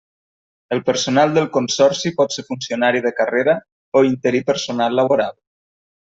El personal del consorci pot ser funcionari de carrera o interí i personal laboral.